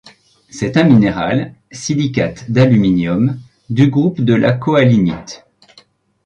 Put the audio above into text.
C'est un minéral, silicate d’aluminium, du groupe de la kaolinite.